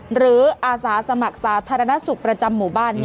อาสาสมัครสาธารณสุขประจำหมู่บ้าน